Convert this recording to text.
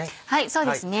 そうですね。